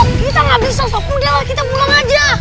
sob kita gak bisa sob mudah lah kita pulang aja